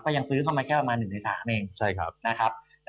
ก็ยังซื้อมาแค่๑๓แล้วกด